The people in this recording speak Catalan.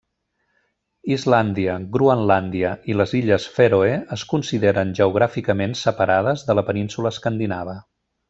Islàndia, Groenlàndia, i les illes Fèroe es consideren geogràficament separades de la Península Escandinava.